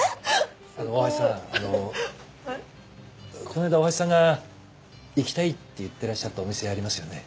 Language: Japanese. こないだ大橋さんが行きたいって言ってらっしゃったお店ありますよね？